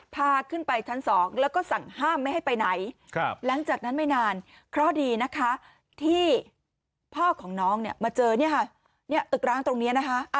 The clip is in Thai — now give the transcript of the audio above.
พาขึ้นไปชั้น๒แล้วก็สั่งห้ามไม่ให้ไปไหนหลังจากนั้นไม่นานเคราะห์ดีนะคะที่พ่อของน้องเนี่ยมาเจอเนี่ยค่ะตึกร้างตรงนี้นะคะ